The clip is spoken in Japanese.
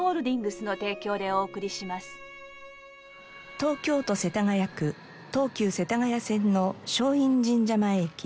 東京都世田谷区東急世田谷線の松陰神社前駅。